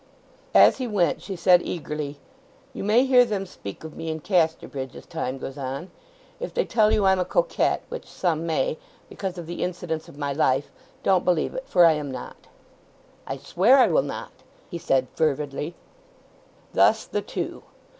As he went she said eagerly, "You may hear them speak of me in Casterbridge as time goes on. If they tell you I'm a coquette, which some may, because of the incidents of my life, don't believe it, for I am not." "I swear I will not!" he said fervidly. Thus the two.